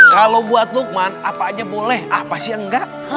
kalau buat lukman apa aja boleh apa sih yang enggak